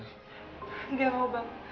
gak mau bang